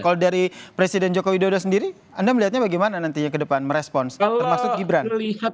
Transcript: kalau dari presiden joko widodo sendiri anda melihatnya bagaimana nantinya ke depan merespons termasuk gibran